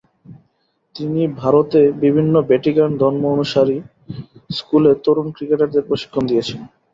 তিনি ভারতে বিভিন্ন ভ্যাটিকান ধর্ম অনুসারী স্কুলে তরুণ ক্রিকেটারদের প্রশিক্ষণ দিয়েছেন।